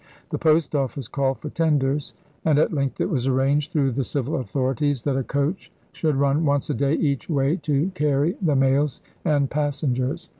The Post Office called for tenders, and at length it was arranged through the civil authorities that a coach should run once a day each way to carry the mails and passengers.